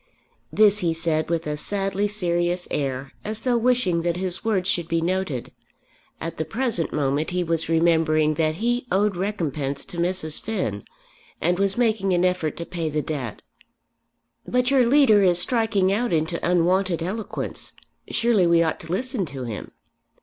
This he said with a sadly serious air as though wishing that his words should be noted. At the present moment he was remembering that he owed recompense to Mrs. Finn, and was making an effort to pay the debt. "But your leader is striking out into unwonted eloquence. Surely we ought to listen to him."